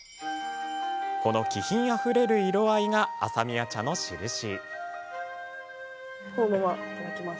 この気品あふれる色合いが朝宮茶の印。